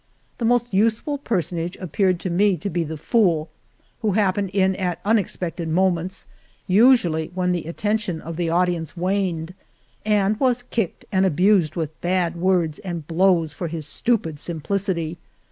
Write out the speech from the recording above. The most useful personage appeared to me to be the fool, who happened in at unexpected moments, usually when the at tention of the audience waned, and was kicked and abused with bad words and blows for his stupid simplicity.